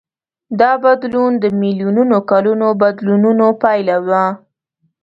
دا بدلون د میلیونونو کلونو بدلونونو پایله وه.